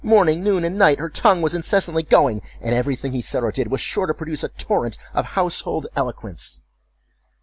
Morning, noon, and night, her tongue was incessantly going, and everything he said or did was sure to produce a torrent of household eloquence.